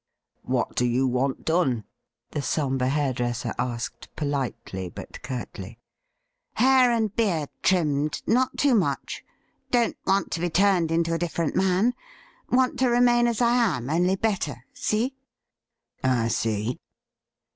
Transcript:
'What do you want done?' the sombre hairdresser asked politely, but cui tly. ' Hair and beard trimmed ; not too much. Don't want to he turned into a different man. Want to remain as I am, only better. See ?' 'I see.'